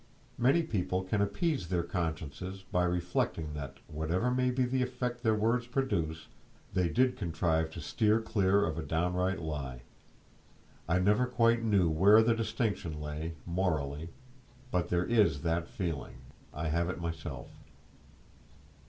Many people can appease their consciences by reflecting that, whatever may be the effect their words produce, they did contrive to steer clear of a downright lie. I never quite knew where the distinction lay morally, but there is that feeling—I have it myself.